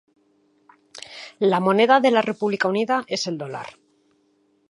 La moneda de la República Unida es el dólar.